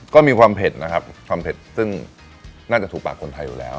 ก็มีความเผ็ดนะครับความเผ็ดซึ่งน่าจะถูกปากคนไทยอยู่แล้ว